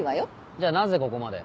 じゃあなぜここまで。